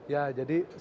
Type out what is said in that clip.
ya jadi sebetulnya